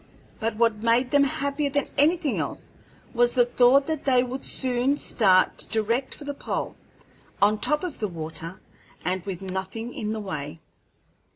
But what made them happier than anything else was the thought that they would soon start direct for the pole, on top of the water, and with nothing in the way.